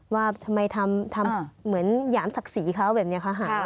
ว่าทำไมทำเหมือนหยามศักดิ์ศรีเขาแบบนี้ค่ะ